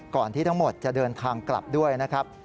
ที่ทั้งหมดจะเดินทางกลับด้วยนะครับ